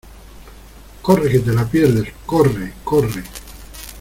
¡ corre que te la pierdes, corre! ¡ corre !